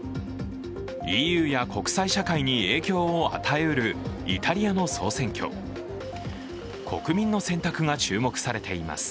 ＥＵや国際社会に影響を与えうるイタリアの総選挙国民の選択が注目されています。